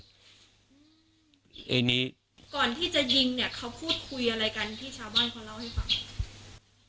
ทีนี้ก่อนที่จะยิงเนี่ยเขาพูดคุยอะไรกันที่ชาวบ้านเขาเล่าให้ฟัง